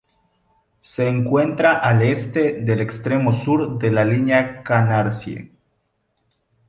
Se encuentra al este del extremo sur de la línea Canarsie.